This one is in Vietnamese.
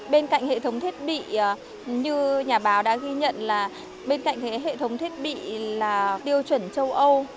bên cạnh hệ thống thiết bị như nhà báo đã ghi nhận là bên cạnh hệ thống thiết bị là tiêu chuẩn châu âu